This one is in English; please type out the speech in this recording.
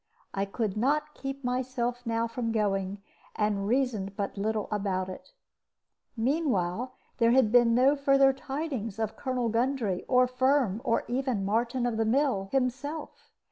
I could not keep myself now from going, and reasoned but little about it. Meanwhile there had been no further tidings of Colonel Gundry or Firm, or even Martin of the Mill himself.